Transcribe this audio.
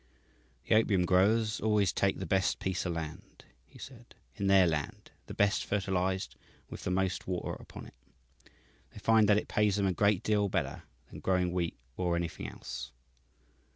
"The opium growers always take the best piece of land," he said, "in their land the best fertilized, and with the most water upon it. They find that it pays them a great deal better than growing wheat or anything else.